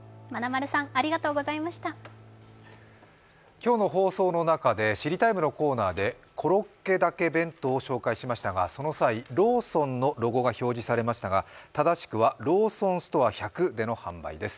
今日の放送の中で「知りＴＩＭＥ，」のコーナーで、コロッケだけ弁当を紹介しましたが、その際、ローソンのロゴが表示されましたが正しくは、ローソンストア１００での販売です。